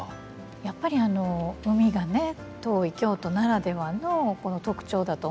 やっぱり海が遠い京都ならではのこの特徴だと思うんですけど